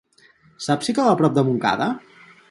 Saps si cau a prop de Montcada?